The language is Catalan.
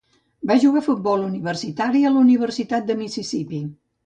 Va jugar a futbol universitari a la Universitat de Mississippi.